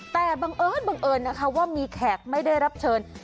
แต่บังเอิญบังเอิญนะคะว่ามีแขกไม่ได้รับเชิญ